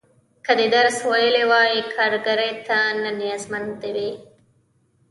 که دې درس ویلی وای، کارګرۍ ته نه نیازمنده وې.